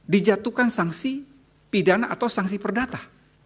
dijatuhkan sanksi pidana atau sanksi perdata